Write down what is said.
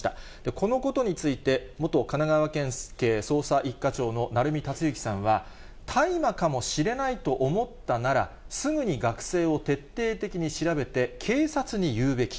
このことについて、元神奈川県警捜査一課長の鳴海達之さんは、大麻かもしれないと思ったなら、すぐに学生を徹底的に調べて警察に言うべき。